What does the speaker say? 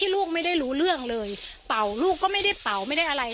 ลูกเป่าลูกก็ไม่ได้เป่าไม่ได้อะไร